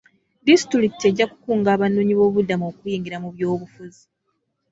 Disitulikiti ejja kukunga abanoonyiboobubudamu okwenyigira mu byobusuubuzi.